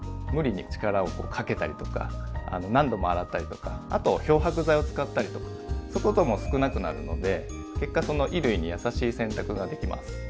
無理に力をこうかけたりとか何度も洗ったりとかあと漂白剤を使ったりとかそういうことも少なくなるので結果衣類にやさしい洗濯ができます。